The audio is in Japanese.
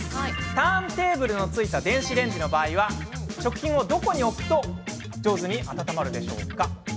ターンテーブルのついた電子レンジの場合食品をどこに置くと上手に温まるでしょうか？